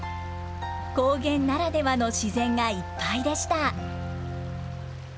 高原ならではの自然がいっぱいでした。